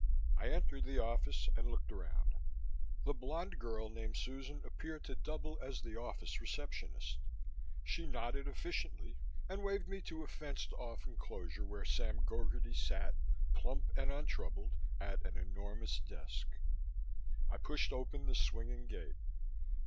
I entered the office and looked around. The blonde girl named Susan appeared to double as the office receptionist. She nodded efficiently and waved me to a fenced off enclosure where Sam Gogarty sat, plump and untroubled, at an enormous desk. I pushed open the swinging gate.